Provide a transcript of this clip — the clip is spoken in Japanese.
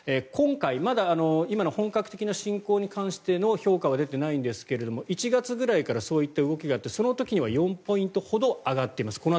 今回、まだ今の本格的な侵攻に関しての評価は出ていないんですが１月ぐらいからそういった動きがあってその時から４ポイントほど上がっています。